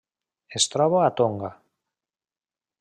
Es troba a Tonga.